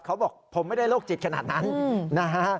เขาบอกผมไม่ได้โรคจิตขนาดนั้นนะฮะ